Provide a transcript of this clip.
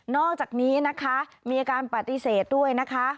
อกจากนี้นะคะมีอาการปฏิเสธด้วยนะคะ